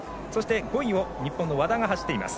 ５位を日本の和田が走っています。